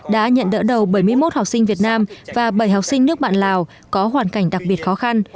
đã nhận đỡ đầu bảy mươi một học sinh việt nam và bảy học sinh nước bạn lào có hoàn cảnh đặc biệt khó khăn